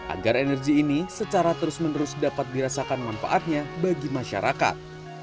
agar energi ini secara terus menerus dapat dirasakan manfaatnya bagi masyarakat